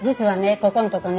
ここんとこね